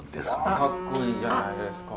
格好いいじゃないですか。